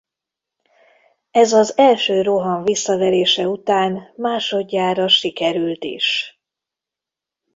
Ez az első roham visszaverése után másodjára sikerült is.